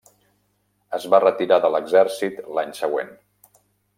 Es va retirar de l'exèrcit l'any següent.